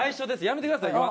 やめてくださいよ。